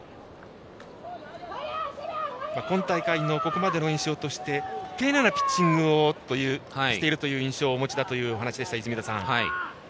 今大会のここまでの印象として丁寧なピッチングをしているという印象をお持ちだというお話でした、泉田さん。